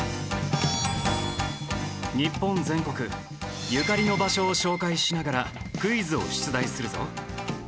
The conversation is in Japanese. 日本全国ゆかりの場所を紹介しながらクイズを出題するぞ。